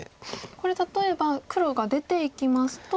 これ例えば黒が出ていきますと。